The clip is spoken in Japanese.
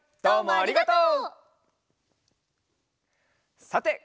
ありがとう。